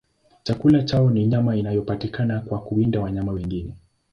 Chakula chao ni nyama inayopatikana kwa kuwinda wanyama wengine.